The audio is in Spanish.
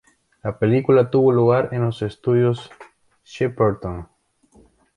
La película tuvo lugar en los Estudios Shepperton.